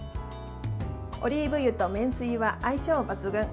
オリーブ油とめんつゆは相性抜群。